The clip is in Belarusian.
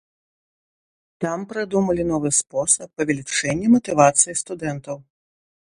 Там прыдумалі новы спосаб павелічэння матывацыі студэнтаў.